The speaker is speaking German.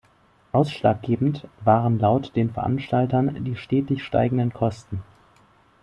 Ausschlaggebend waren laut den Veranstaltern die „stetig steigenden Kosten“.